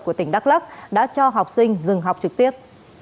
của tỉnh đắk lắc đã cho học sinh dừng học trực tiếp